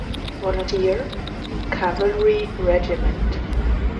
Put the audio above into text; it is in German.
Volunteer Cavalry Regiment".